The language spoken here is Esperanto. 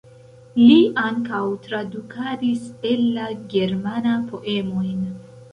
Li ankaŭ tradukadis el la germana poemojn.